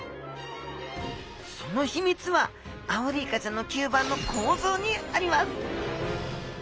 その秘密はアオリイカちゃんの吸盤の構造にあります